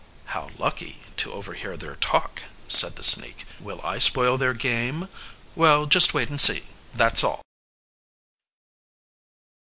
"How lucky to overhear their talk," said the sneak. "Will I spoil their game? Well, just wait and see, that's all!"